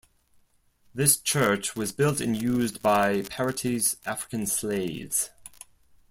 This church was built and used by Paraty's African slaves.